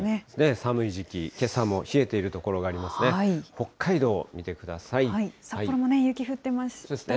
寒い時期、けさも冷えている所がありますね。